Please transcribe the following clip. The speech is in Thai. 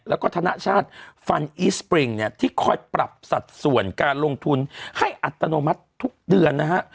แล้วก็ธนชาติฟันอีสปริงเนี่ยที่คอยปรับสัดส่วนการลงทุนให้อัตโนมัติทุกเดือนนะฮะ